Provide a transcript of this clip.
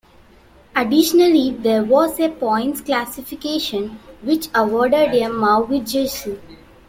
Additionally, there was a points classification, which awarded a mauve jersey.